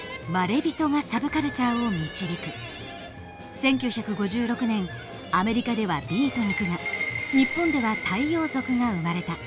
１９５６年アメリカではビートニクが日本では太陽族が生まれた。